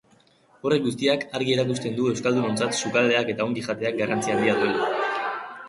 Horrek guztiak argi erakusten du euskaldunontzat sukaldeak eta ongi jateak garrantzi handia duela.